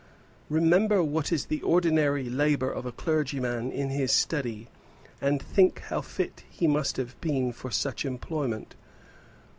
Remember what is the ordinary labour of a clergyman in his study, and think how fit he must have been for such employment!